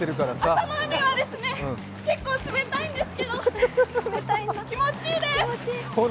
朝の海は結構冷たいんですけど、気持ちいいです。